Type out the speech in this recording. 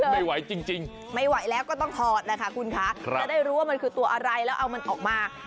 ไม่ไหวจริงไม่ไหวแล้วก็ต้องถอดแหละค่ะคุณคะจะได้รู้ว่ามันคือตัวอะไรแล้วเอามันออกมา